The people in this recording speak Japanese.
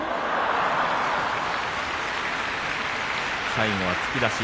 最後は突き出し。